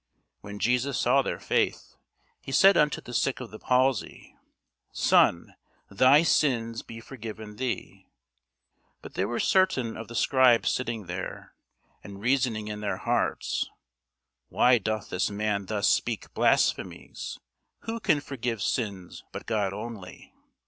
When Jesus saw their faith, he said unto the sick of the palsy, Son, thy sins be forgiven thee. But there were certain of the scribes sitting there, and reasoning in their hearts, Why doth this man thus speak blasphemies? who can forgive sins but God only?